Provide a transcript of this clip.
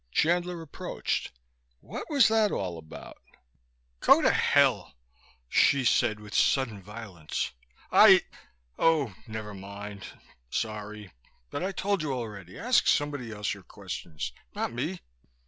Chandler approached. "What was that all about?" "Go to hell!" Hsi said with sudden violence. "I Oh never mind. Sorry. But I told you already, ask somebody else your questions, not me."